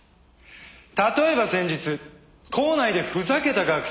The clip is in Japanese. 例えば先日校内でふざけた学生がいました。